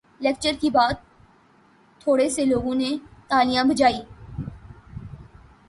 lecture کے بات تھورے سے لوگوں نے تالیاں بجائی